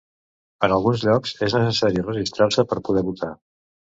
En alguns llocs és necessari registrar-se per poder votar.